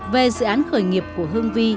về dự án khởi nghiệp của hương vi